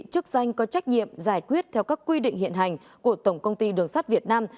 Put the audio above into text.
chức danh có trách nhiệm giải quyết theo các quy định hiện hành của tổng công ty đường sắt việt nam